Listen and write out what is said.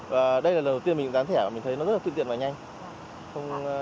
và đây là lần đầu tiên mình dán thẻ và mình thấy nó rất là tự tiện và nhanh